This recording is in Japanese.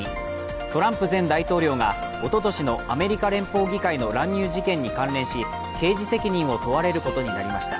トランプ前大統領がおととしのアメリカ連邦議会乱入事件に関連し刑事責任を問われることになりました。